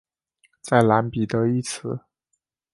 在蓝彼得一词。